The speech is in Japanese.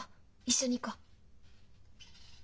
一緒に行こう。